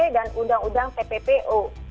dan undang undang tppo